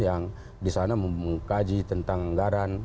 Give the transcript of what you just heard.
yang di sana mengkaji tentang anggaran